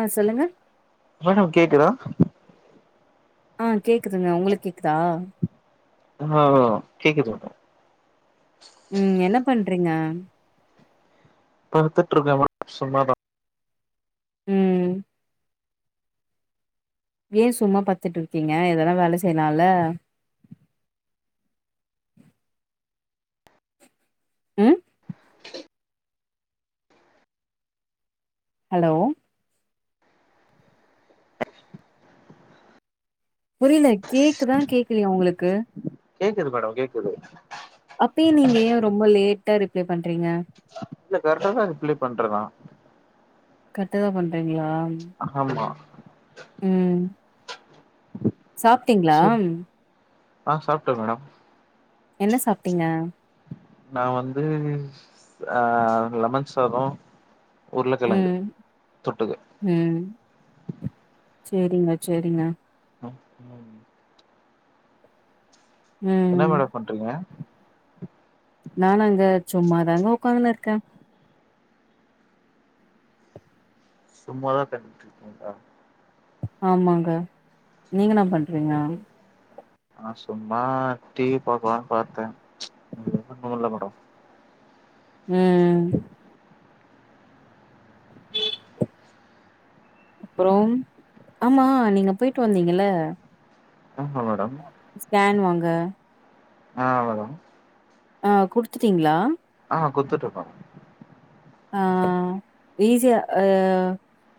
ஆ சொல்லுங்க மேடம் கேக்குதா ஆ கேக்குதுங்க உங்ளுக் கேக்குதா ஓ கேக்குது ம் என்ன பண்றீங்க படுத்துட்ருக்கேமா சும்மாதா ம் ஏ சும்மா பத்துட்டு இருக்கீங்க எதனா வேல செய்யலால ம் ஹலோ புரியில கேக்குதா கேக்குலையா உங்களுக்கு கேக்குது மேடம் கேக்குது அப்பியு நீங்க ஏ ரொம்ப லேட்டா ரிப்ளை பண்றீங்க இல்ல கரெக்டா தா ரிப்ளை பண்றே நா கரட்டாதா பண்றீங்களா ஆமா ம் சாப்பிட்டீங்ளா சரி ஆ சாப்ட்டே மேடம் என்ன சாப்ட்டீங்க நா வந்து ஆ லெமன் சாதோ உருளக்கெழங்கு ம் தொட்டுக்க ம் சேரிங்க சேரிங்க அ ஆ என்ன ம் மேடம் பண்றீங்க நானாங்க சும்மாதாங்க உக்காந்துன்னு இருக்கே சும்மாதா [inaudible] ஆமாங்க நீங்க என்னா பண்றீங்க ஆ சும்மா டிவி பாக்கலான் பாத்தே இதுங்க இன்னு தூங்கல மேடம் ஆ அப்புறோ ஆமா நீங்க பொயிட்டு வந்தீங்கல்ல ஆமா மேடம் ஸ்கேன் வாங்க ஆ மேடம் ஆ குடுத்துட்டீங்ளா ஆ குத்துட்ருக்கோ ஆ ஈஸியா ஆ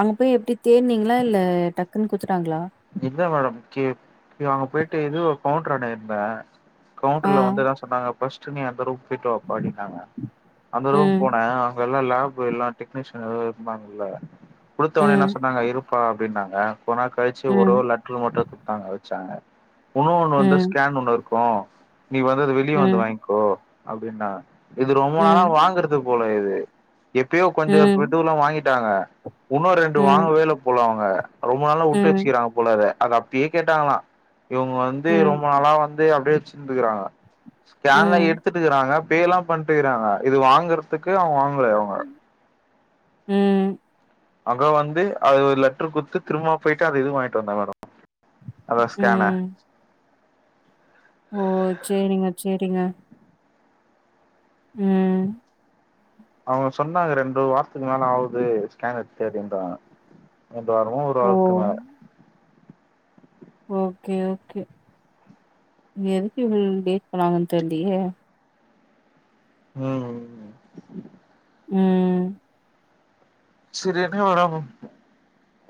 அங்க பேய் எப்டி தேன்னீங்ளா இல்ல டக்குன்னு குடுத்துட்டாங்ளா இல்வ மேடம் கே அங்க போயிட்டு எதே கவுண்டரான்ட இருந்தே ஆ கவுண்ட்ருல வந்து இதா சொன்னாங்க ஃபஸ்ட்டு நீ அந்த ரூம் டிட்டோ அப்பா அப்டினாங்க அந்த ரூம் ம் போனே அ எல்லா லேப் எல்லா டெக்னீஷியன் ஏ வெச்சுபாங்கள்ள குடுத்தவொன்ன என்ன ம் சொன்னாங்க இரு போடா அப்படின்னாங்க கொஞ்ச நாள் காழிச்சு ம் ஒரோரு லட்டர் மட்டு குடுத்தாங்க வெச்சாங்க ஒன்னோன்னு வந்து ம் ஸ்கேன் ஒன்னு இருக்கு நீ வந்து அது வெளிய வந்து ம் வாய்ங்க்கோ அப்டின்னாங்க இது ரொம்ப நாளா ம் வாங்குறது போல இது எப்பயோ கொஞ்சோ ம் இதுல்லா வாங்கிட்டாங்க உன்னு ரெண்டு ம் வாங்கவே இல்ல போல அவுங்க ரொம்ப நாளா வுட்டு ம் வச்சுக்கிறாங்க போல அத அது அப்டியே கேட்டாங்ளா இவுங்க வந்து ம் ரொம்ப நாளா வந்து அப்டியே வச்சிருந்துக்றாங்க ஸ்கேன்ல ம் எட்த்துட்டுக்குறாங்க பேல்லா பண்ணிட்டுக்குறாங்க இது வாங்கற்துக்கு அவுங்க வாங்கல அவுங்க ம் அங்க வந்து அது ஒரு லெட்டர் குட்த்து திரும்பவு பொய்ட்டு அது இது வாங்கிட்டு வந்தே மேடம் அத ஸ்கேன் அ ம் ஓ சேரிங்க சேரிங்க ம் அவுங்க சொன்னாங்க ரெண்டு வாரத்துக்கு மேல ஆவுது ஸ்கேன் எடுத்து அப்டின்றாங்க ஒரு வாரமோ ஒரு ஓ வாரதுக்கு மேல ஓகே ஓகே எதுக்கு இவ்ளோ லேட் பண்ணாங்கன்னு தெரிலியே ம் ம் சரி என்ன மேடம்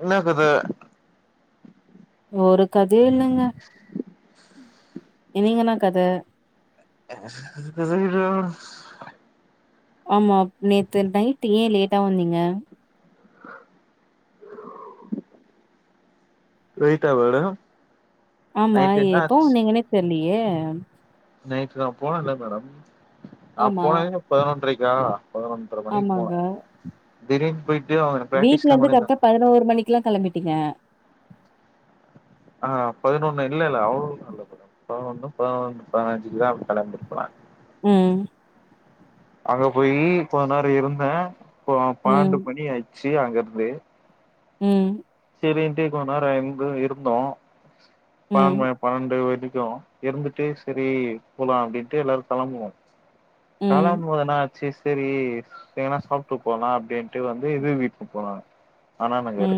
என்ன கத ஒரு கதையு இல்லங்க நீங்க என்ன கத ஒரு கதையுமில்ல ஆமாம் நேத்து நைட் ஏ லேட்டா வந்தீங்க [inaudible] நைட்டா மேடம் ஆமா நைட் என்ன எப்போ ஆச்சு வந்திங்கனே தெர்லியே நைட்டு நா போனல்ல மேடம் நா ஆமா, போனதே பதினொன்றரைக்கா பதினொனு ன்ர மணிக்கு ஆமாங்க. போனே திடிர்னு பொய்ட்டு அவனா ப்ராக்டிசுலா பண்ணிட்ருந்தா பதினோரு மணிக்குல்லா கெளம்பிட்டீங்க அ பதினொன்னு இல்லலல்ல அவ்ளோக்குல்லா இல்ல மேடம் பதினொண்ணு பதினொன்னு பதினஞ்சு குத்தா கெளம்பிருப்பே ம் அங்க போயி கொஞ்ச நேரோ இருந்தே ப்போ பன்னண்டு ம், மணி ஆச்சு அங்கருந்து ம் சேரிண்ட்டு கொஞ்ச நேரோ இங்க இருந்தோ ம், பன்னெ பன்னெண்டு வரைக்கு இருந்துட்டு சரி போலா அப்டின்ட்டு எல்லாரு கெளம்புவோ ம், கெளம்பு போது என்னா ச்சு சேரி சரி எங்னா சாப்ட்டு போலா அப்டின்ட்டு வந்து இது வீட்டுக்கு போனாங்க அண்ணா ம், நகரு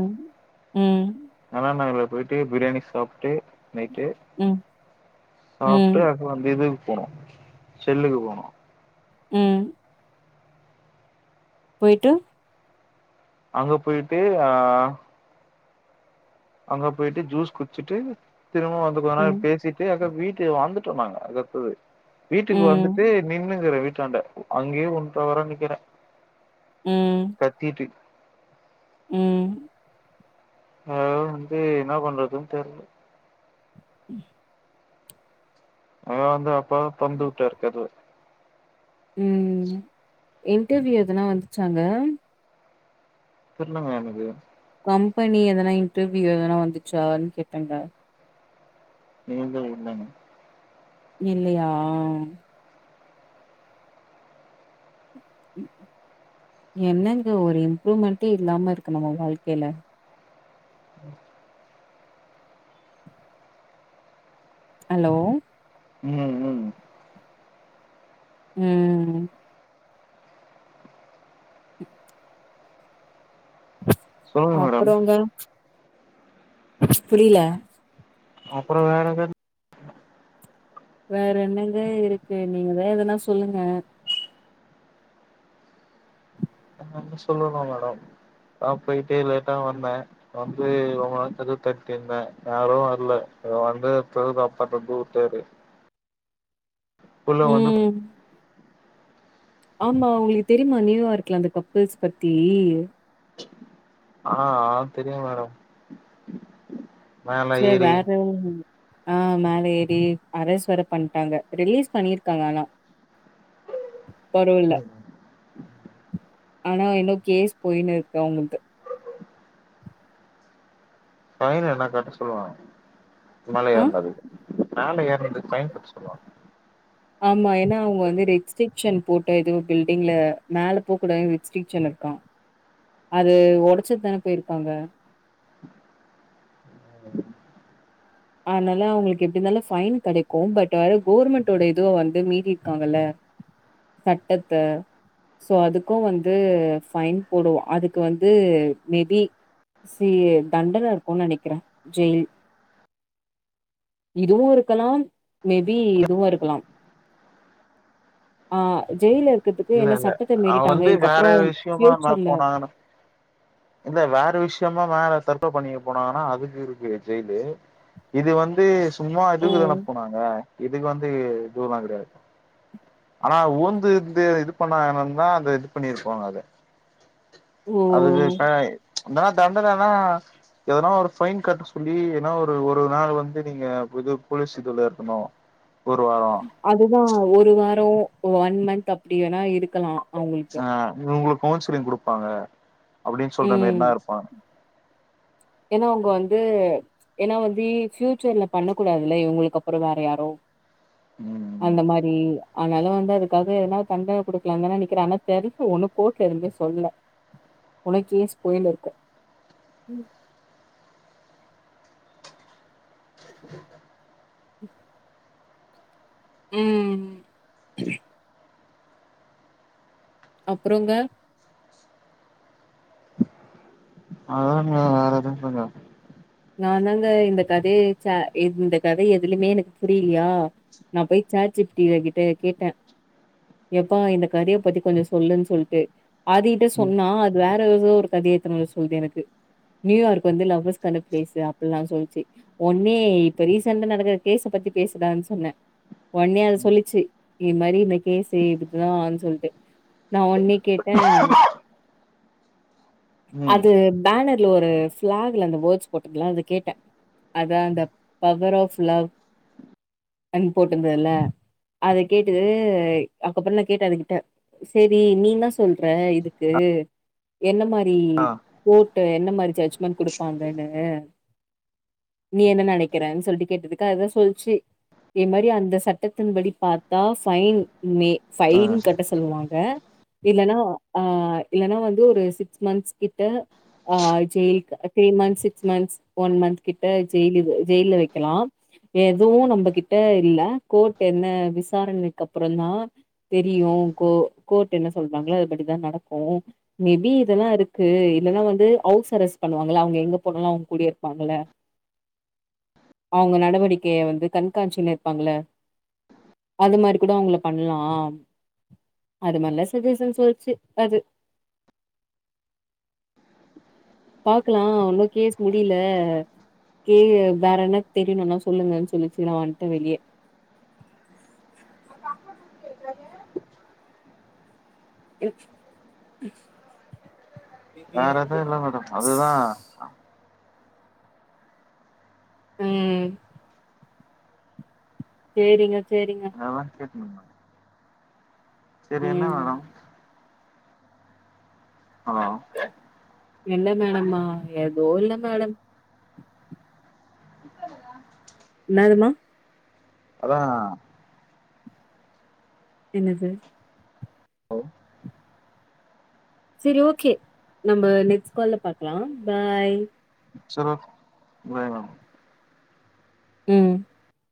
ம் அண்ணா நகர்ல பொய்ட்டு பிரியாணி சாப்ட்டு நைட்டு ம், சாப்ட்டு ம், அதுக்கப்றோ வந்து இதுக் போனோ செல்லுக்கு போனோ ம் பொய்ட்டு அங்க பொய்ட்டு அ அங்க பொய்ட்டு ஜூஸ் குடிச்சுட்டு திரும்பவு வந்து கொஞ்ச நேரோ ம், பேசிட்டு [unintelligible] வீட்டுக்கு வந்துட்டோ நாங்க அதுப்றோ வீட்டுக்கு வந்துட்டு ம், நின்னுக்குறே வீட்டாண்ட அங்கேயே ஒன்ற வர நிக்கிறே ம், கத்திட்டு ம் அ வந்து என்ன பண்றதுன் தெர்ல ம் அத வந்து அப்ப தான் தொறந்து வுட்டாரு கதவு ம் இன்டர்வியூ எதுனா வந்துச்சாங்க தெர்லங்க எனகு கம்பெனி எதனா இன்டர்வியூ எதனா வந்துச்சான் கேட்டங்க நீயுதா இல்லங்க இல்லயா என்னங்க ஒரு இம்ப்ரூவ்மெண்ட்டே இல்லாம இருக்கு நம்ம வாழ்க்கைல ஹலோ ம் ம் ம் சொல்லுங்க மேடம் அப்பறங்க புரியில அப்பற வேற எதாது வேற என்னங்க இருக்கு நீங்கதா எதனா சொல்லுங்க [inaudible] சொல்லலா மேடம் நான் போயிட்டே லேட்டா வந்தே வந்து ரொம்ப நேர கதுவு தட்டிய்ந்தே யாரு வரல வந்து [unintelligible] அப்பா தொறந்து வுட்டாரு உள்ள வந்து ப ம் ஆமா உங்களுக்கு தெரியுமா நியூயார்க்ல அந்த கப்புள்ஸ் பத்தி ஆ ஆ தெரியு மேடம் மேல சரி ஏறி வேற ஆ மேல ஏறி அரஸ் வேர பண்ட்டாங்க ரிலீஸ் பண்ணியிருக்காங்க ஆனா பரோல்ல ஆனா இன்னு கேஸ் போயினு இருக்கு அவங்களுக்கு பைன் என்னா கட்ட சொல்லுவாங்க மேல ஆ ஏறந்தக்கு மேல ஏறந்தக்கு பைன் கட்ட சொல்லுவா ஆமா ஏன்னா அவங்க வந்து ரெஸ்ட்ரிக்ஷன் போட்ட எதுவும் பில்டிங்ல மேல போகக்கூடாது ரெஸ்ட்ரிக்ஷன் இருக் அது ஒடச்சுத் தான போயிருக்காங்க அதனால அவங்களுக்கு எப்டிந்தாலு ஃபைன் கெடைக்கும் பட் வேற கவர்மெண்டோட இதுவ வந்து மீறி இருக்காங்கல்ல சட்டத்த சோ அதுக்கும் வந்து ஃபைன் போடுவ அதுக்கு வந்து மேபி சி தண்டன இருக்குன் நெனைக்கிற ஜெயில் இதுவு இருக்கலாம் மேபி இதுவு இருக்கலாம் ஆ ஜெயில்ல இருக்கிறதுக்கு இல்ல என்ன இல்ல சட்டத்த அவ மீறிட்டாங்க வந்து வேற இதுக்கப்பற விஷயமா மேல பியூச்சர்ல போனாங்கன்னா இல்ல வேற விஷயமா மேல தற்கொல பண்ணிக்க போனாங்கன்னா அதுக்கு இருக்கு ஜெயிலு இது வந்து சும்மா ஓ இதுக்கு தான போனாங்க இதுக்கு வந்து தூர்லா கெடையாது ஆனா ஊந்து இது இது பண்ணாங்கனா அந்த இது பண்ணியிருபாங்க அத ஓ அதுக்கு ஏ னா தண்டனனா எதுனா ஒரு ஃபைன் கட்ட சொல்லி ஏன்னா ஒரு நாள் வந்து நீங்க இது போலீஸ் இதுல இருக்கணு ஒரு வார அதுதா ஒரு வார ஒன் மந்த் அப்டி வேணா இருக்கலா ஆ இவுங்களுக்கு கவுன்சிலிங் குடுப்பாங்க அப்டின் சொல்ற ம் மேரிதான் இருப்பாங்க ஏன்னா அவங்க வந்து ஏன்னா வந்து பியூச்சர்ல பண்ண கூடாதுல்ல இவங்களுக்கு அப்பறம் வேற யாரும் அந்த ம் மாரி அதனால வந்து அதுக்காக எதனால தண்டன குடுக்கலாம்ங்கான நிக்கிறாங்கனா தெர்ல ஒன்னு கோட்ல எதுவுமே சொல்ல உனக்கே ஸ்புயல் இருக்கு [inaudible] [inaudible] ம் அப்பறோங்க அதங்க வேரது சொ நான தா இந்த கதைய இந்த கதை எதுலுமே எனக்கு புரியலையா நா போய் சார்ஜிபி டி கிட்ட கேட்டே எப்பா இந்த கதையை பத்தி கொஞ்ச சொல்லுன் சொல்ட்டு அதுகிட்ட ம் சொன்னா அது வேற ஏதோ ஒரு கதய எத்துனு வந்து சொல்லுது எனக்கு நியூயார்க் வந்து லவ்வர்ஸ் கான பிளேஸ்சு அப்படல்லா சொல்ச்சு ஒன்னே இப்ப ரீசெண்டா நடக்கிற கேஸ பத்தி பேசுடானு சொன்னே ஒனே அது சொல்லுச்சு இந்த மாரி இந்த கேசு இதுக்குதான்னு சொல்ட்டு நா ஒன்னே கேட்டே ம் அது பேனர்ல ஒரு பிளாக்ல அந்த வேட்சு பட் நா அத கேப்பே அதா அந்த பவர் ஆப் லவ் அ போட்டுருந்தல்ல அத கேட்டு அதுக்கப்பறமா கேட்ட அதுகிட்ட சரி நீன்னா சொல்ற இதுக்கு என்ன மாரி கோர்ட்ட என்ன மாரி ஜட்ஜ்மெண்ட் குடுப்பாங்கன்னு நீ என்ன நெனைக்கிறன்னு சொல்லி கேட்டதுக்கு அதுதா சொல்ச்சு இத மாரி அந்த சட்டத்தின்படி பாத்தா பைன் மே பைன் கட்ட சொல்லுவாங்க இல்லன்னா ஆ இல்லன்னா வந்து ஒரு சிக்ஸ் மந்த்ஸ் கிட்ட ஆ ஜெய்ல்க்கு three months six months one month கிட்ட ஜெயில் ஜெயில்ல வைக்கலா எதுவு நம்மகிட்ட இல்ல கோர்ட் என்ன விசாரணைக்கு அப்பற தா தெரியும் கோ கோர்ட் என்ன சொல்றாங்களோ அதுபடிதா நடக்கூ மேபி இதெல்லா இருக்கு என்னன்னா வந்து அவுசரஸ் பண்ணுவாங்கள அவங்க எங்க அவங்கல்லா அவங்க கூடயே இருப்பாங்கள அவங்க நடவடிக்கைய வந்து கண்காச்சினு இருப்பாங்கள அது மாதிரி கூட அவங்கள பண்ணலா அதுமல்ல சஜேஷன் சொல்லிச்சு அது பாக்கலா இன்னு கேஸ் முடியல கேலுங்க வேற என்ன தெரியணுனா சொல்லுங்கன்னு சொல்லிச்சு நா வந்துட்ட வெளிய [inaudible] இவ் ம் வேற எது இல்ல மேட அதுதா ம் சேரிங்க சேரிங்க பாக்கெட் மணி சரி என்ன ம். வேணு ஹலோ என்ன வேணும்மா ஏதோ இல்ல மேடம் [inaudible] என்னாதுமா அதா என்னது சரி ஓகே நம்ம நெக்ஸ்ட் கால்ல பாக்கலா பாய் சரி ஒகே பாய் மேம் ம்